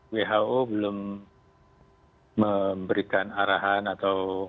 who belum memberikan arahan atau